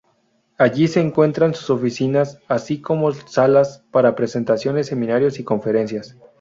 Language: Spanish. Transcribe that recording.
Allí se encuentran sus oficinas así como salas para presentaciones, seminarios y conferencias.